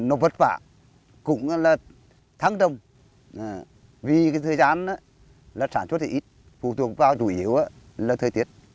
nó vất vả cũng là thắng trông vì cái thời gian là sản xuất thì ít phụ thuộc vào chủ yếu là thời tiết